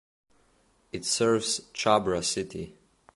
It serves Chhabra city.